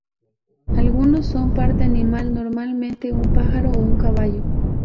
Algunos son parte animal, normalmente un pájaro o un caballo.